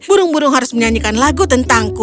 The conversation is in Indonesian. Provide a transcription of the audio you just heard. burung burung harus menyanyikan lagu tentangku